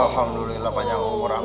alhamdulillah banyak orang